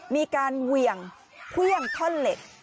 มีการเหวี่ยงเครื่องท่อนเหล็ก